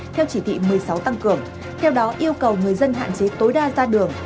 theo chỉ thị một mươi sáu tăng cường theo đó yêu cầu người dân hạn chế tối đa ra đường